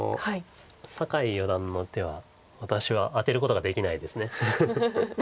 酒井四段の手は私は当てることができないです。